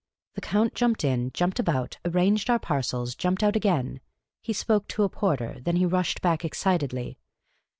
The Count jumped in, jumped about, arranged our parcels, jumped out again. He spoke to a porter ; then he rushed back excitedly.